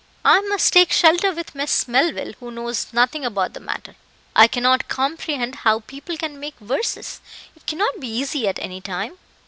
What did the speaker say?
I must take shelter with Miss Melville, who knows nothing about the matter. I cannot comprehend how people can make verses; it cannot be easy at any time."